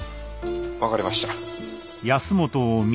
分かりました。